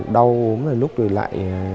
đau lúc thì lại